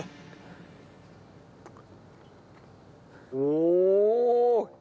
おお！